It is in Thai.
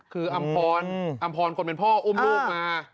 คืออำพรอำพรคนเป็นพ่ออุ้มลูกมา